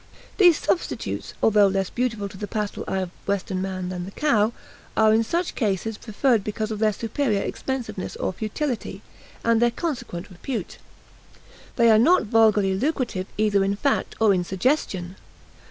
These substitutes, although less beautiful to the pastoral eye of Western man than the cow, are in such cases preferred because of their superior expensiveness or futility, and their consequent repute. They are not vulgarly lucrative either in fact or in suggestion.